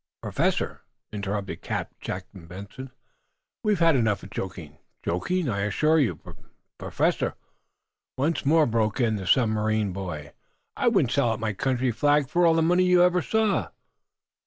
"Professor," interrupted Captain Jack Benson, "we've had enough of joking." "Joking? I assure you " "Professor," once more broke in the submarine boy, "_I wouldn't sell out my country's flag for all the money you ever saw!